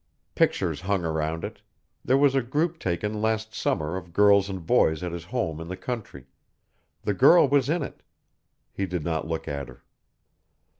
Pictures hung around it; there was a group taken last summer of girls and boys at his home in the country, the girl was in it he did not look at her.